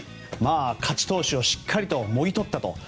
勝ち投手をしっかりともぎ取ったと。